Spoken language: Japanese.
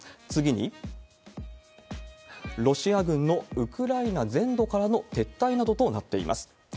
次に、ロシア軍のウクライナ全土からの撤退などとなっています。